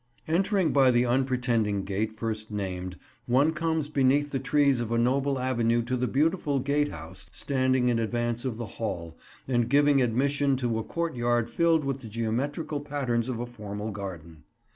Entering by the unpretending gate first named, one comes beneath the trees of a noble avenue to the beautiful gatehouse standing in advance of the hall and giving admission to a courtyard filled with the geometrical patterns of a formal garden.